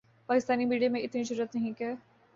Pakistani media میں اتنی جرآت نہیں کہ